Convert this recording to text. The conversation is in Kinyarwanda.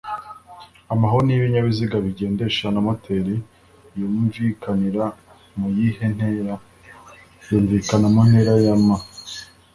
amahoni y’ibinyabiziga bigendeshwa na moteri yumvikanira muyihe ntera ?yumvikana muntera ya m